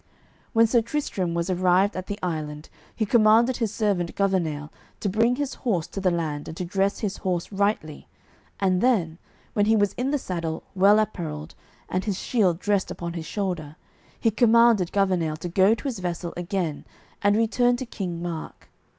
When Sir Tristram was arrived at the island, he commanded his servant Gouvernail to bring his horse to the land and to dress his horse rightly, and then, when he was in the saddle well apparelled and his shield dressed upon his shoulder, he commanded Gouvernail to go to his vessel again and return to King Mark.